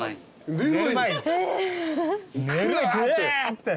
ガーって。